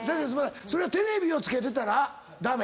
それはテレビをつけてたら駄目？